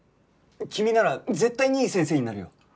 君なら絶対にいい先生になるよ。